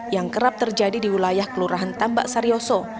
yang kerap terjadi di wilayah kelurahan tambak saryoso